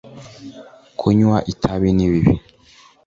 kunywa itabi n’ibindi